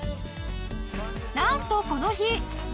なんとこの日！